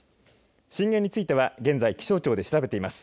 震源については現在、気象庁で調べています。